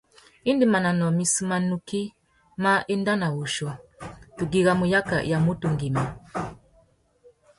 Indi manônōh missú má nukí mà enda nà wuchiô, tu güiramú yaka ya mutu ngüimá.